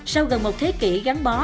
sau gần một thế kỷ gắn bó